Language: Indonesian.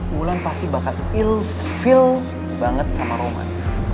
wulan pasti bakal ill feel banget sama roman